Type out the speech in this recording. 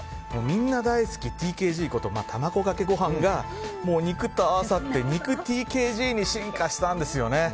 みんな大好きＴＫＧこと卵かけご飯が肉と合わさって肉ＴＫＧに進化したんですよね。